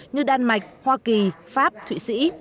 như đan mạch hoa kỳ pháp thụy sĩ